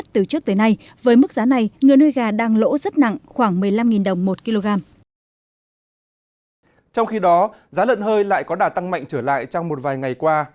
trong khi đó giá lợn hơi lại có đả tăng mạnh trở lại trong một vài ngày qua